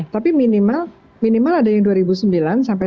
tapi minimal ada yang dua ribu sembilan sampai